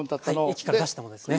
液から出したものですね。